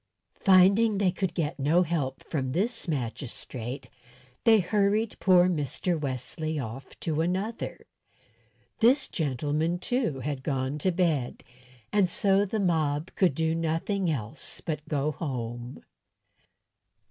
Finding they could get no help from this magistrate, they hurried poor Mr. Wesley off to another. This gentleman, too, had gone to bed, and so the mob could do nothing else but go home.